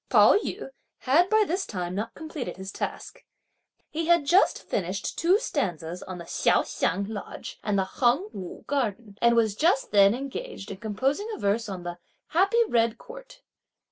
Pao yü had by this time not completed his task. He had just finished two stanzas on the Hsiao Hsiang Lodge and the Heng Wu garden, and was just then engaged in composing a verse on the "Happy red Court."